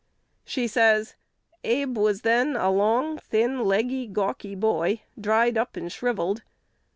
She says, "Abe was then a long, thin, leggy, gawky boy, dried up and shrivelled."